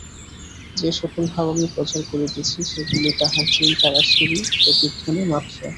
যে-সকল ভাব আমি প্রচার করিতেছি, সেগুলি তাঁহার চিন্তারাশিরই প্রতিধ্বনি মাত্র।